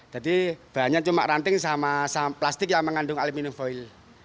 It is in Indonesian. jadi bahannya cuma ranting sama plastik yang mengandung aluminium foil